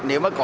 nếu có thì có